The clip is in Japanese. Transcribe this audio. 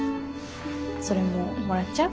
それももらっちゃう？